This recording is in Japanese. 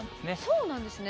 そうなんですね。